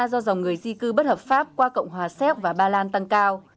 do dòng người di cư bất hợp pháp qua cộng hòa séc và ba lan tăng cao